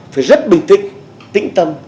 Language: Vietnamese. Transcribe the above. phải rất bình tĩnh tĩnh tâm